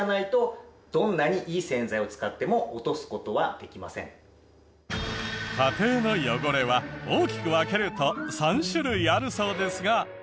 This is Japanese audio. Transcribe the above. でも家庭の汚れは大きく分けると３種類あるそうですが。